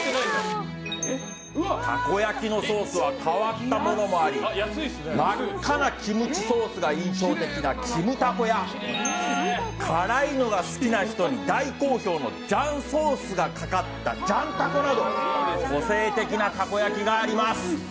たこ焼きのソースは変わったものもあり真っ赤なキムチソースが印象的なキムたこや辛いのが好きな人に大好評なジャンソースがかかったジャンたこなど個性的なたこ焼きがあります。